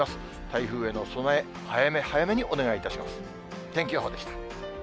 台風への備え、早め早めにお願いいたします。